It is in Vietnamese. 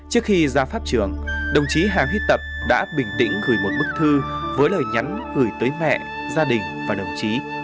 trước khi ra pháp trường đồng chí hà huy tập đã bình tĩnh gửi một bức thư với lời nhắn gửi tới mẹ gia đình và đồng chí